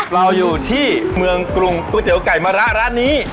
เราอยู่ที่เมืองกรุงก๋วยเตี๋ยวไก่มะระร้านนี้